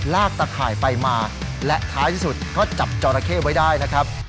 ตะข่ายไปมาและท้ายที่สุดก็จับจอราเข้ไว้ได้นะครับ